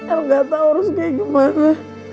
el gak tau harus kayak gimana